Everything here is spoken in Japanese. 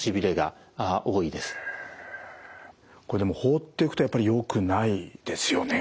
これでも放っておくとやっぱりよくないですよね？